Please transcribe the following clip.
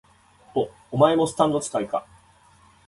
お、お前もスタンド使いか？